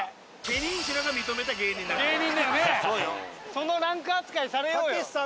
そのランク扱いされようよ。